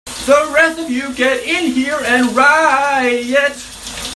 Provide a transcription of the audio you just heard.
The rest of you get in here and riot!